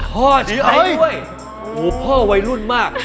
พ่อใช้ด้วยโหพ่อวัยรุ่นมาก